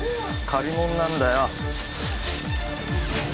借りものなんだよ